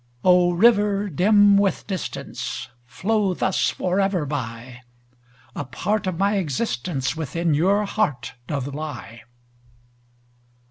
O, river, dim with distance, Flow thus forever by,A part of my existenceWithin your heart doth lie!